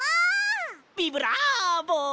ビブラーボ！